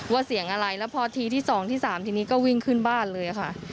ว่าเสียงอะไรแล้วพอทีที่๒ที่๓ทีนี้ก็วิ่งขึ้นบ้านเลยค่ะ